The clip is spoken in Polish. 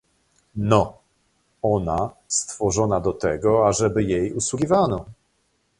"No, ona stworzona do tego, ażeby jej usługiwano..."